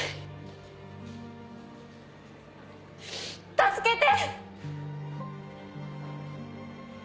助けて！